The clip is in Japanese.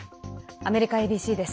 アメリカＡＢＣです。